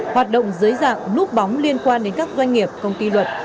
hoạt động dưới dạng núp bóng liên quan đến các doanh nghiệp công ty luật